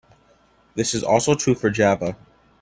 This is also true for Java.